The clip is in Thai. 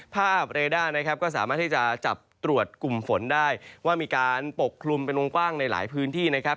เรด้านะครับก็สามารถที่จะจับตรวจกลุ่มฝนได้ว่ามีการปกคลุมเป็นวงกว้างในหลายพื้นที่นะครับ